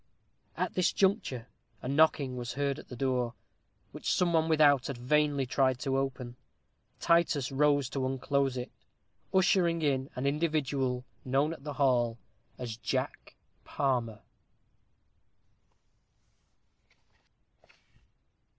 At this juncture, a knocking was heard at the door, which some one without had vainly tried to open. Titus rose to unclose it, ushering in an individual known at the hall as Jack Palmer.